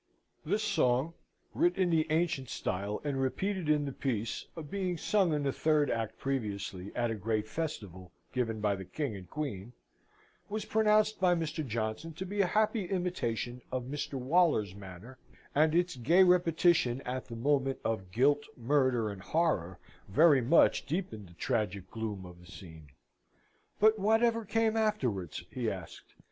This song (writ in the ancient style, and repeated in the piece, being sung in the third act previously at a great festival given by the King and Queen) was pronounced by Mr. Johnson to be a happy imitation of Mr. Waller's manner, and its gay repetition at the moment of guilt, murder, and horror, very much deepened the tragic gloom of the scene. "But whatever came afterwards?" he asked.